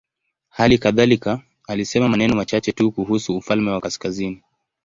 Hali kadhalika alisema maneno machache tu kuhusu ufalme wa kaskazini.